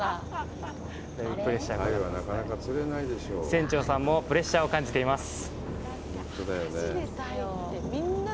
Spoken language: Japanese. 船長さんもプレッシャーを感じています。